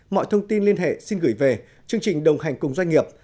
mọi thông tin liên hệ xin gửi về chương trình đồng hành cùng doanh nghiệp